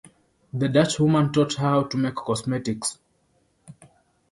The Dutch woman taught her how to make cosmetics.